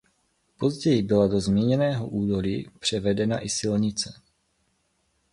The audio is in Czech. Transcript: Později byla do zmíněného údolí převedena i silnice.